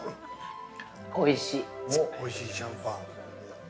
◆おいしいシャンパン。